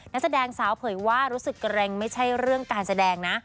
นักแสดงสาวเผยว่ารู้สึกเกร็งไม่ใช่เรื่องการแสดงนะ